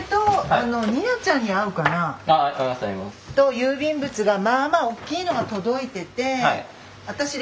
郵便物がまあまあおっきいのが届いててはい。